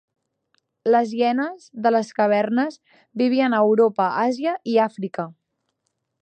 Les hienes de les cavernes vivien a Europa, Àsia i Àfrica.